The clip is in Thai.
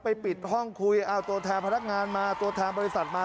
ปิดห้องคุยเอาตัวแทนพนักงานมาตัวแทนบริษัทมา